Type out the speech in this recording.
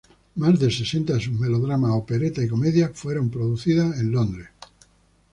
Más de sesenta de sus melodramas, operetas y comedias fueron producidas en Londres.